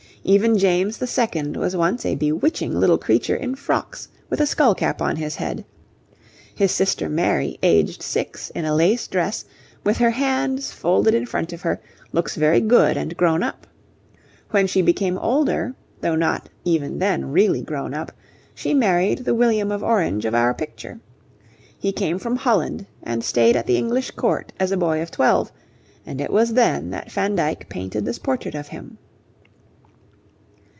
Even James II. was once a bewitching little creature in frocks with a skull cap on his head. His sister Mary, aged six, in a lace dress, with her hands folded in front of her, looks very good and grown up. When she became older, though not even then really grown up, she married the William of Orange of our picture. He came from Holland and stayed at the English Court, as a boy of twelve, and it was then that Van Dyck painted this portrait of him.